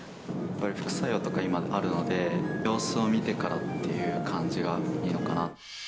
副作用とか今、あるので、様子を見てからっていう感じがいいのかな。